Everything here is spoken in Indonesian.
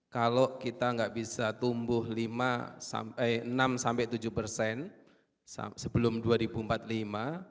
kalau kita nggak bisa tumbuh enam sampai tujuh persen sebelum dua ribu empat puluh lima